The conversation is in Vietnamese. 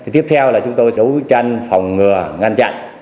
tiếp theo là chúng tôi đấu tranh phòng ngừa ngăn chặn